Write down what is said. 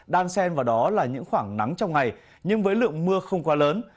đan sen vào đó là những khoảng nắng trong ngày nhưng với lượng mưa không quá lớn